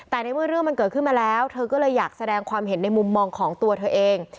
แต่ในเมื่อเรื่องมันเกิดขึ้นมาแล้วเธอก็เลยอยากแสดงความเห็นในมุมมองของตัวเธอเอง